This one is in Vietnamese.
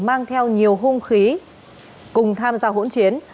mang theo nhiều hung khí cùng tham gia hỗn chiến